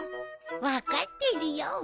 分かってるよ。